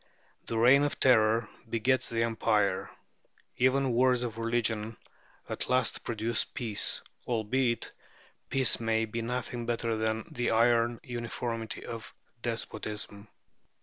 The Reign of Terror begets the Empire; even wars of religion at last produce peace, albeit peace may be nothing better than the iron uniformity of despotism.